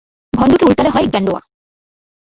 ভন্ডকে উল্টালে হয় গেন্ডয়া।